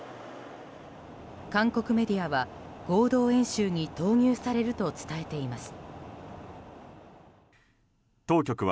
韓国メディアは合同演習に投入されると伝えています。